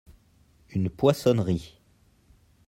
une poissonnerie.